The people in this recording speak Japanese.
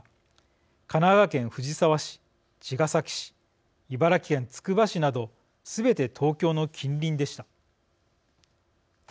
神奈川県藤沢市、茅ヶ崎市茨城県つくば市などすべて東京の近隣でした。